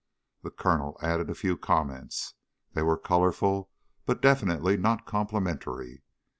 The Colonel added a few comments. They were colorful but definitely not complimentary.